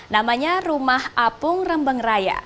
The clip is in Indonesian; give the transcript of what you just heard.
namanya rumah apung rembeng raya